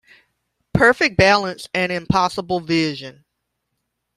Perfect balance and impossible vision.